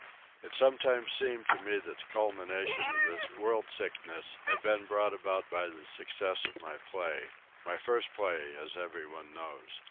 It sometimes seemed to me that the culmination of this world sickness had been brought about by the success of my play—my first play, as every one knows.